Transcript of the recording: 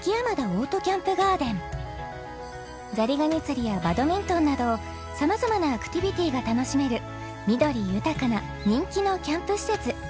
［ザリガニ釣りやバドミントンなど様々なアクティビティが楽しめる緑豊かな人気のキャンプ施設］